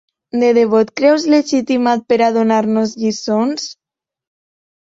De debò et creus legitimat per a donar-nos lliçons?